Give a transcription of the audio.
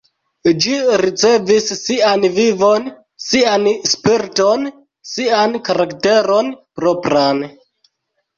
Ĝi ricevis sian vivon, sian spiriton, sian karakteron propran.